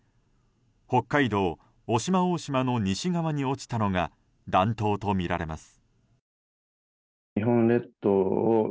北海道渡島大島の西側に落ちたのが弾頭とみられます。